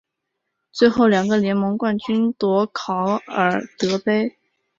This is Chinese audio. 最后两个联盟冠军夺考尔德杯。